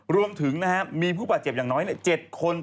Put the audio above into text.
รวมถึงมีผู้ป่าเจ็บอย่างน้อยเจ็ดคนถูกรำเรียงใส่